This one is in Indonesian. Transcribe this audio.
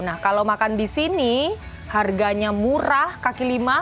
nah kalau makan disini harganya murah kaki lima